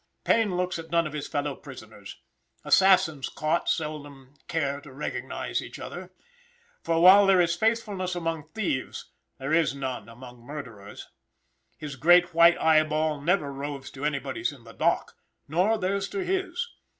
Payne looks at none of his fellow prisoners: assassins caught seldom cares to recognise each other; for while there is faithfulness among thieves, there is none among murderers. His great white eyeball never roves to anybody's in the dock, nor theirs to his.